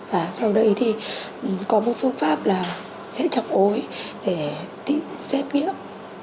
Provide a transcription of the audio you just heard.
và sau đây thì có một phương pháp là sẽ chọc ối để tìm xét nghiệm